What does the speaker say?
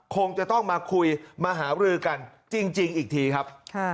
คงจะต้องมาคุยมาหารือกันจริงอีกทีครับ